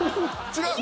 違う。